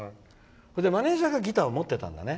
マネージャーがギターを持ってたんだよね。